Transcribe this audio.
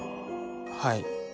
はい。